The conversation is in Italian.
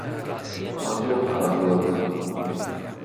Adrian Caldwell